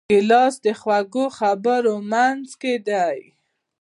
ګیلاس د خوږو خبرو منځکۍ دی.